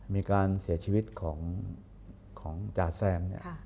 มีการเสียชีวิตของจ่าแซมเนี่ย